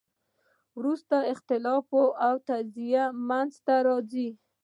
وروسته اختلاف او تجزیه منځ ته راځي.